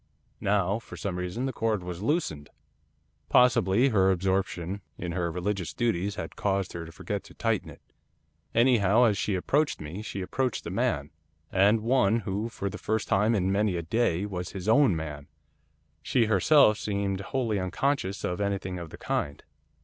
Now, for some reason, the cord was loosed. Possibly her absorption in her religious duties had caused her to forget to tighten it. Anyhow, as she approached me, she approached a man, and one who, for the first time for many a day, was his own man. She herself seemed wholly unconscious of anything of the kind.